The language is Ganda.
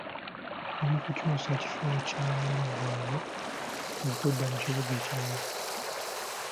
Ndi mu kukyusa kifo kya mulimu gwange okudda mu kibuga ekirala.